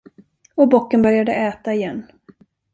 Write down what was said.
Och bocken började äta igen.